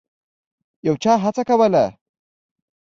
یو چا هڅه کوله.